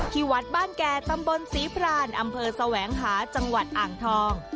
ที่วัดบ้านแก่ตำบลศรีพรานอำเภอแสวงหาจังหวัดอ่างทอง